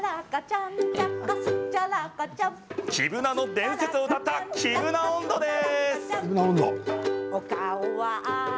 黄ぶなの伝説を歌った「黄ぶな音頭」です。